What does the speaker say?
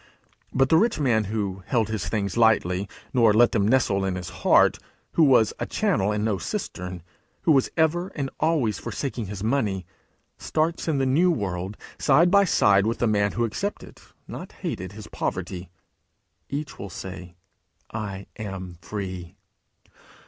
But the rich man who held his things lightly, nor let them nestle in his heart; who was a channel and no cistern; who was ever and always forsaking his money starts, in the new world, side by side with the man who accepted, not hated, his poverty. Each will say, 'I am free!'